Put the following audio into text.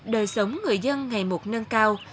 đời sống người dân ngày một nâng cao